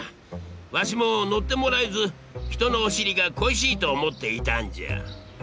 ワシも乗ってもらえず人のお尻が恋しいと思っていたんじゃ。